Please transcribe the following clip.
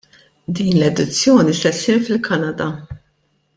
Din l-edizzjoni se ssir fil-Kanada.